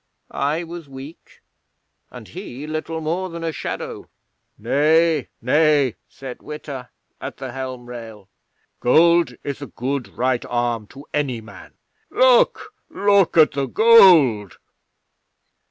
I was weak, and he little more than a shadow. '"Nay nay," said Witta, at the helm rail. "Gold is a good right arm to any man. Look look at the gold!"